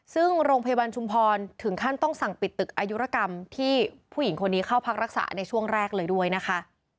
ซึ่งโรงพยาบาลชุมพรถึงขั้นต้องสั่งปิดตึกอายุรกรรมที่ผู้หญิงคนนี้เข้าพักรักษาในช่วงแรกเลยด้วยนะคะ